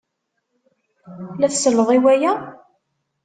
La tselled i waya?